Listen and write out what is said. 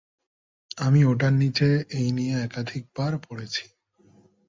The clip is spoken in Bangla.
আমি ওটার নিচে এই নিয়ে একাধিকবার পড়েছি।